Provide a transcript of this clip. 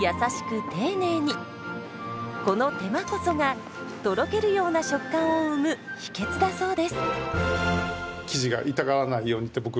この手間こそがとろけるような食感を生む秘訣だそうです。